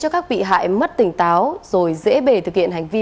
sau một tháng kiên trì